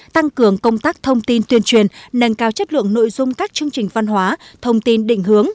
tăng cường công tác thông tin tuyên truyền nâng cao chất lượng nội dung các chương trình văn hóa thông tin định hướng